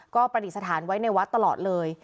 ก็ประดิษฐานไว้ในวัดตลอดเลย